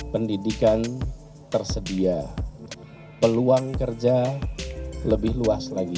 pendidikan tersedia peluang kerja lebih luas lagi